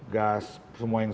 gas semua yang